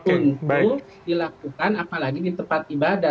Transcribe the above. untuk dilakukan apalagi di tempat ibadah